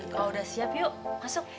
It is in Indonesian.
kalau udah siap yuk masuk